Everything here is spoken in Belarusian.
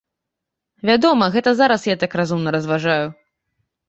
Вядома, гэта зараз я так разумна разважаю.